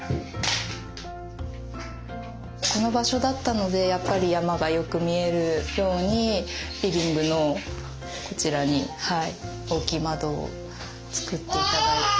この場所だったのでやっぱり山がよく見えるようにリビングのこちらに大きい窓を作って頂いて。